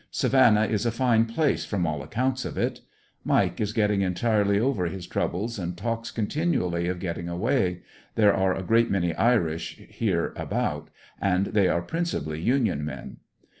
Savannah is a fine place from all accounts of it. Mike is getting entirely over his troubles and talks continually of getting away, there are a great many Irish about here, and they are principally union men.